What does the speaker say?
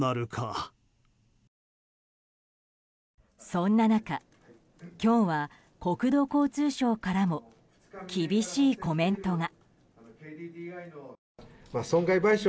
そんな中、今日は国土交通省からも厳しいコメントが。